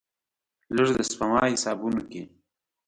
لږ، د سپما حسابونو کې